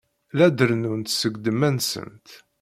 La d-rennunt seg ddemma-nsent.